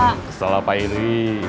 kesel apa iri